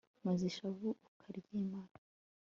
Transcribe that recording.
maze ishavu ukaryimara